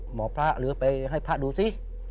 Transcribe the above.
หมอพระหรือไปให้พระดูสิ